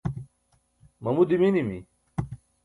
mamu diminimi